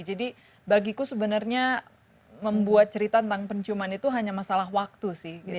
jadi bagiku sebenarnya membuat cerita tentang penciuman itu hanya masalah waktu sih